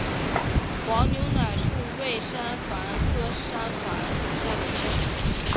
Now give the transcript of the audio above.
黄牛奶树为山矾科山矾属下的一个种。